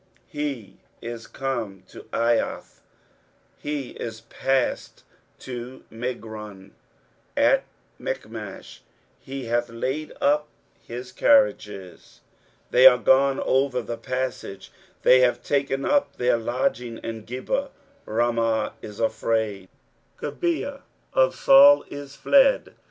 23:010:028 He is come to Aiath, he is passed to Migron; at Michmash he hath laid up his carriages: 23:010:029 They are gone over the passage: they have taken up their lodging at Geba; Ramah is afraid; Gibeah of Saul is fled.